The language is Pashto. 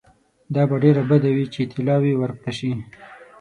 دا به ډېره بده وي چې طلاوي ورکړه شي.